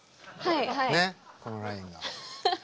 ねっこのラインが。